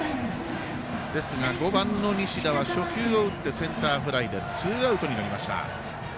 ですが、５番の西田は初球を打ってセンターフライでツーアウトになりました。